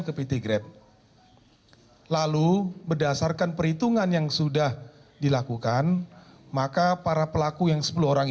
ke pt grab lalu berdasarkan perhitungan yang sudah dilakukan maka para pelaku yang sepuluh orang